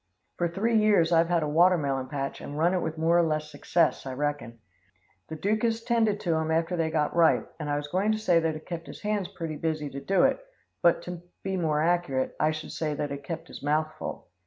"For three year's I've had a watermelon patch and run it with more or less success, I reckon. The Duke has tended to 'em after they got ripe, and I was going to say that it kept his hands pretty busy to do it, but, to be more accurate, I should say that it kept his mouth full.